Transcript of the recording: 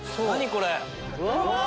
これ。